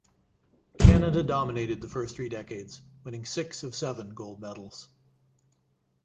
Canada dominated the first three decades, winning six of seven gold medals.